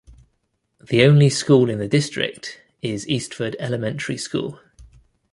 The only school in the district is Eastford Elementary School.